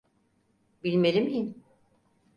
Bilmeli miyim?